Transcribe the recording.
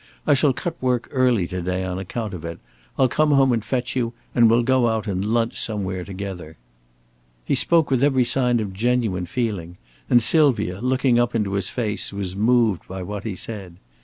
I shall cut work early to day on account of it; I'll come home and fetch you, and we'll go out and lunch somewhere together." He spoke with every sign of genuine feeling; and Sylvia, looking up into his face, was moved by what he said.